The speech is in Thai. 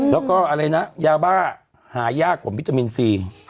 แล้วก็อะไรนะยาบ้าหายากกว่าวิตามินซี